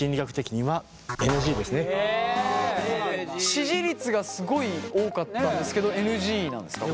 支持率がすごい多かったんですけどＮＧなんですか？